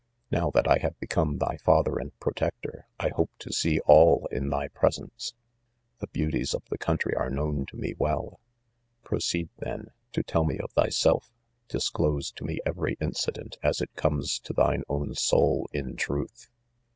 Now, that I have be come thy father and protector, I hope to see all in thy presence. 'The beauties of the coun try are known to me ivell; proceed, then, to tell me of thyself. ^Disclose to me every in cident, as it comes, to thine own son! in truth.